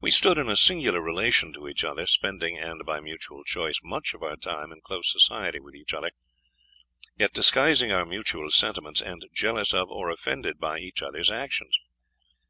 We stood in a singular relation to each other, spending, and by mutual choice, much of our time in close society with each other, yet disguising our mutual sentiments, and jealous of, or offended by, each other's actions.